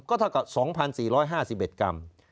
ก็เท่ากับ๒๔๕๑กรัม